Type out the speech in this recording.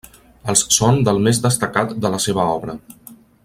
Els són del més destacat de la seva obra.